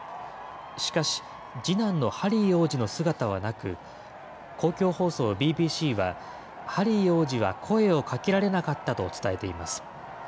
しかし、次男のハリー王子の姿はなく、公共放送ＢＢＣは、ハリー王子は声をかけられなかったと伝えています。